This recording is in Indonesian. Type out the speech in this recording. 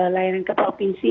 layanan ke provinsi